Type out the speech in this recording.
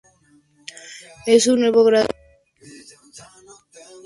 En su nuevo grado siguió dedicándose a escribir, que tanto le apasionaba.